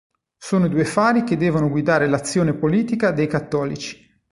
Sono i due fari che devono guidare l'azione politica dei cattolici.